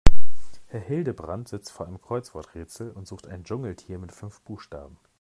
Herr Hildebrand sitzt vor einem Kreuzworträtsel und sucht ein Dschungeltier mit fünf Buchstaben.